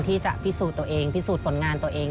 ที่จะพิสูจน์ตัวเองพิสูจน์ผลงานตัวเอง